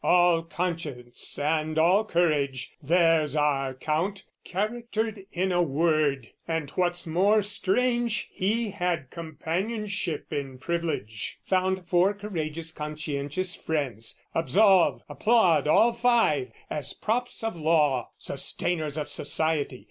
"All conscience and all courage, there's our Count "Charactered in a word; and, what's more strange, "He had companionship in privilege, "Found four courageous conscientious friends: "Absolve, applaud all five, as props of law, "Sustainers of society!